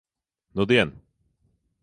Nudien.